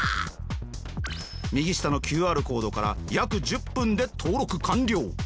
右下のＱＲコードから約１０分で登録完了。